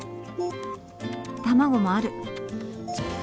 卵もある！